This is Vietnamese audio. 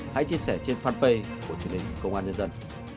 hãy chia sẻ trên fanpage của truyền hình công an nhân dân